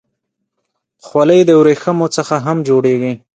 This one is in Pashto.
خولۍ د ورېښمو څخه هم جوړېږي.